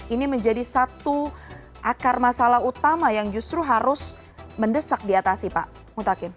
ini menjadi satu akar masalah utama yang justru harus mendesak diatasi pak mutakin